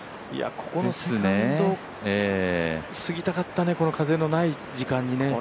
ここのセカンド、過ぎたかったね、風のない時間帯にね。